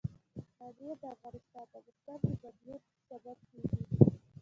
پامیر د افغانستان د موسم د بدلون سبب کېږي.